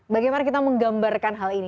bagaimana kita menggambarkan hal ini